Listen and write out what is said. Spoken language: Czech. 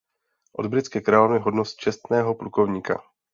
A od britské královny hodnost čestného plukovníka.